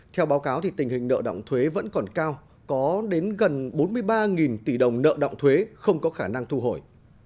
theo báo cáo tình hình nợ động thuế vẫn còn cao có đến gần bốn mươi ba tỷ đồng nợ động thuế không có khả năng thu hồi